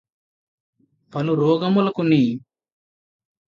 పలురోగములకు నీ